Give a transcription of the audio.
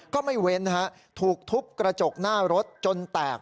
ไม่เว้นนะฮะถูกทุบกระจกหน้ารถจนแตก